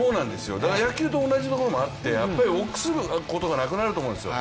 だから野球と同じところもあってやっぱり臆することがなくなると思うんですよ。